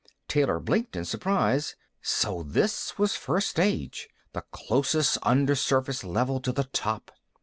Taylor blinked in surprise. So this was first stage, the closest undersurface level to the top!